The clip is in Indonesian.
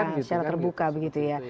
secara terbuka begitu ya